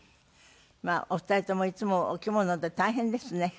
お二人ともいつもお着物で大変ですね。